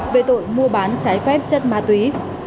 về tội mua bán trái phép chất ma túy